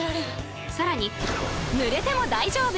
更にぬれても大丈夫！